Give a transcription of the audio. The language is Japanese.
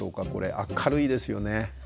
明るいですよね。